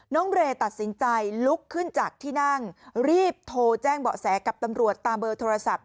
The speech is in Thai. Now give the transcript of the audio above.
เรย์ตัดสินใจลุกขึ้นจากที่นั่งรีบโทรแจ้งเบาะแสกับตำรวจตามเบอร์โทรศัพท์